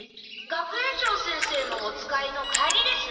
学園長先生のお使いの帰りです。